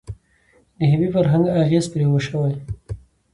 د هیپي فرهنګ اغیز پرې وشو.